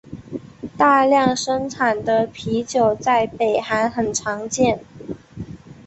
大量生产的啤酒在北韩很常见。